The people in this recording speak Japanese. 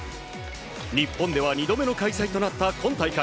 日本では２度目の開催となった今大会。